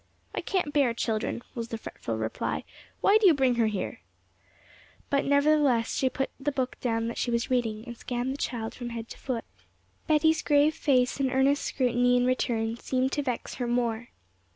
'I can't bear children,' was the fretful reply; 'why do you bring her here?' But nevertheless she put the book down that she was reading, and scanned the child from head to foot. Betty's grave face and earnest scrutiny in return seemed to vex her more.